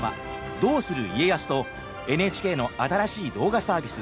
「どうする家康」とＮＨＫの新しい動画サービス